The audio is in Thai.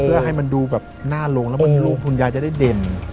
เพื่อให้มันดูแบบหน้าลงแล้วรูปคุณยายจะได้เด่น